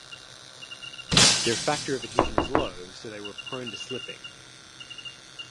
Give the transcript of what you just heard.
Their factor of adhesion is low, so they were prone to slipping.